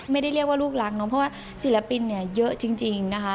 เรียกว่าลูกรังเนาะเพราะว่าศิลปินเนี่ยเยอะจริงนะคะ